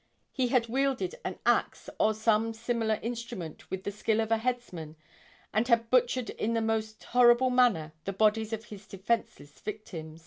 He had wielded an axe or some similar instrument with the skill of a headsman and had butchered in the most horrible manner the bodies of his defenseless victims.